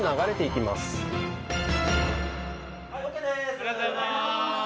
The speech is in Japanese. ありがとうございます。